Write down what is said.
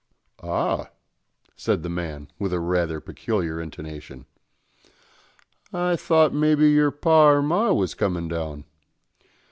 "Ah," said the man, with a rather peculiar intonation, "I thought maybe your par or mar was comin' down.